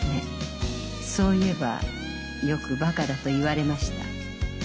そう言えばよくバカだと言われました。